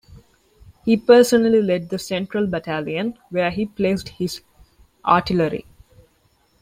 He personally led the central battalion, where he placed his artillery.